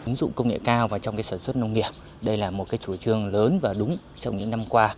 ứng dụng công nghệ cao và trong sản xuất nông nghiệp đây là một chủ trương lớn và đúng trong những năm qua